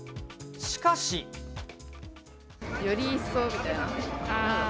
しかし。よりいっそうみたいな。